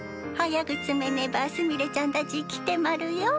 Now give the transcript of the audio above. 早くつめねばすみれちゃんたち来てまるよ。